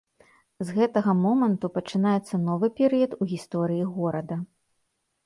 З гэтага моманту пачынаецца новы перыяд у гісторыі горада.